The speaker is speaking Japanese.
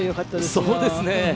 そうですね。